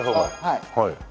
はい。